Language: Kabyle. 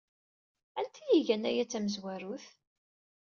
Anta ay igan aya d tamezwarut?